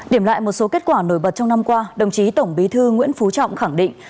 điểm lại một số kết quả nổi bật trong năm qua đồng chí tổng bí thư nguyễn phú trọng khẳng định